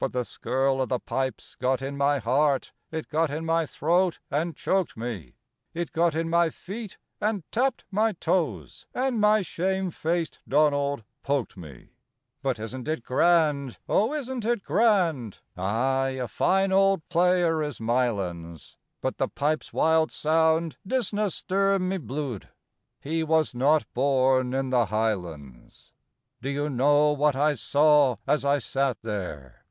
But the skirl o' the pipes got in my heart, It got in my throat and choked me, It got in my feet, and tapped my toes, And my shame faced Donald poked me. "But isn't it grand? O, isn't it grand?" "Ay, a fine auld player is Mylands, But the pipes' wild sound disna stir my bluid" He was not born in the highlands. Do you know what I saw as I sat there?